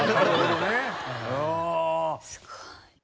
すごい。